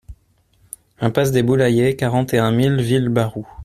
Impasse des Boulayes, quarante et un mille Villebarou